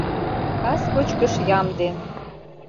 Кас кочкыш ямде.